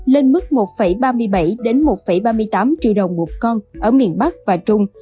lên mức một ba mươi bảy một ba mươi tám triệu đồng một con ở miền bắc và trung